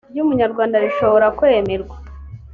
ry umunyarwanda rishobora kwemerwa